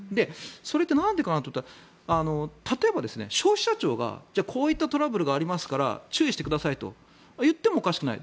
それってなんでかなと思ったら例えば消費者庁がじゃあこういったトラブルがありますから注意してくださいと言ってもおかしくない。